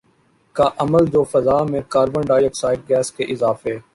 کا عمل جو فضا میں کاربن ڈائی آکسائیڈ گیس کے اضافے